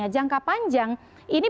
jangka panjang ini